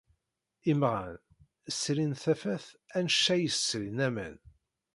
Imɣan srin tafat anect ay srin aman.